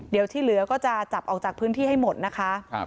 เดี๋ยวที่เหลือก็จะจับออกจากพื้นที่ให้หมดนะคะ